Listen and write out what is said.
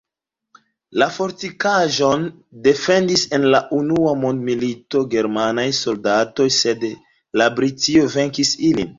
La fortikaĵon defendis en la unua mondmilito germanaj soldatoj, sed la britoj venkis ilin.